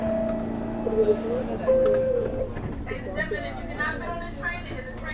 It was of normal control layout, with the driver behind the engine.